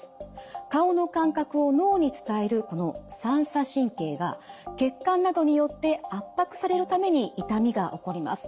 顔の感覚を脳に伝えるこの三叉神経が血管などによって圧迫されるために痛みが起こります。